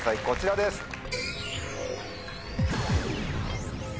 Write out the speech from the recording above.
こちらです！